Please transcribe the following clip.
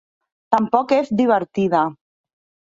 Tampoc és divertida.